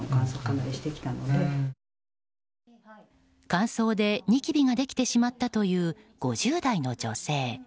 乾燥でニキビができてしまったという５０代の女性。